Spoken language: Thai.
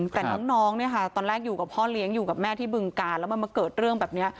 แต่น้องเนี่ยค่ะตอนแรกอยู่กับพ่อเลี้ยงอยู่กับแม่ที่บึงกาลแล้วมันมาเกิดเรื่องแบบนี้